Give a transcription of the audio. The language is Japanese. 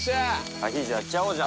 アヒージョやっちゃおう！